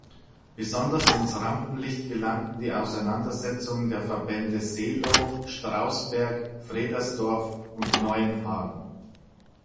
Besonders ins Rampenlicht gelangten die Auseinandersetzungen der Verbände Seelow, Strausberg, Fredersdorf und Neuenhagen.